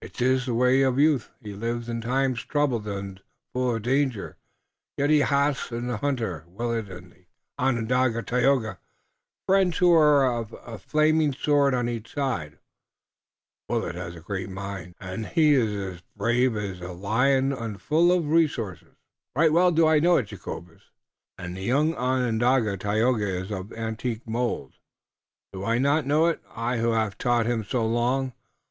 "It iss the way of youth. He lives in times troubled und full of danger, yet he hass in the hunter, Willet, and the Onondaga, Tayoga, friends who are a flaming sword on each side of him. Willet hass a great mind. He iss as brave as a lion und full of resource." "Right well do I know it, Jacobus." "And the young Onondaga, Tayoga, is of the antique mold. Do I not know it, I who haf taught him so long?